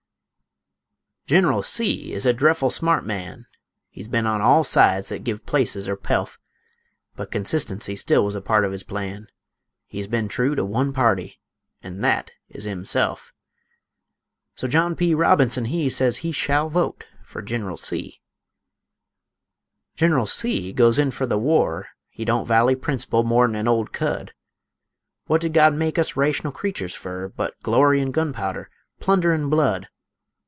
Gineral C. is a dreffle smart man: He's ben on all sides thet give places or pelf; But consistency still was a part of his plan, He's ben true to one party, an' thet is himself; So John P. Robinson he Sez he shall vote fer Gineral C. Gineral C. he goes in fer the war; He don't vally principle more'n an old cud; Wut did God make us raytional creeturs fer, But glory an' gunpowder, plunder an' blood?